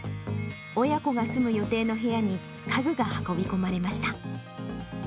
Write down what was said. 親子が住む予定の部屋に、家具が運び込まれました。